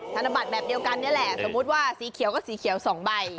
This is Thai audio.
ธนบัตรแบบเดียวกันนี่แหละสมมุติว่าสีเขียวก็สีเขียว๒ใบ